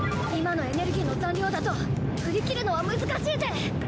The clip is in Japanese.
今のエネルギーの残量だと振り切るのは難しいぜ！